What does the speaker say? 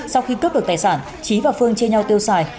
sau khi cướp được tài sản trí và phương chia nhau tiêu xài